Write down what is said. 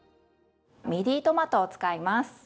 ミディトマトを使います。